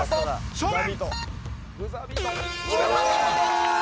勝負。